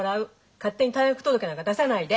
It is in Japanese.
勝手に退学届なんか出さないで。